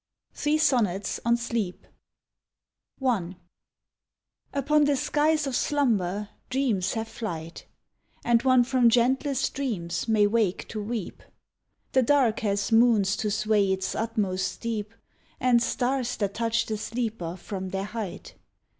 THREE SONNETS ON SLEEP I Upon the skies of slumber dreams have flight, And one from gentlest dreams may wake to weep. The dark has moons to sway its utmost deep, And stars that touch the sleeper from their height.